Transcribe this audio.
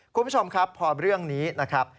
คุณผู้ชมครับพอเรื่องนี้นะครับ